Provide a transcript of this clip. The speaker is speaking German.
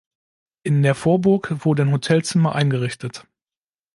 In der Vorburg wurden Hotelzimmer eingerichtet.